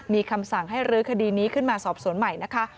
มีคำสั่งให้รื้อคดีนี้ขึ้นมาสอบสวนใหม่นะคะ